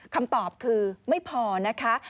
คำตอบคือไม่พอนะคะ